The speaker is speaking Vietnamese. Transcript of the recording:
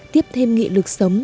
tiếp thêm nghị lực sống